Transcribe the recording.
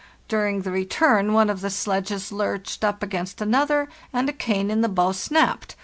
During the return one of the sledges lurched up against another, and a cane in the bow snapped.